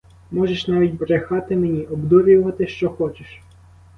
Можеш навіть брехати мені, обдурювати, що хочеш.